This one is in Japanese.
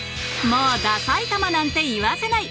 もう「ダサイタマ」なんて言わせない！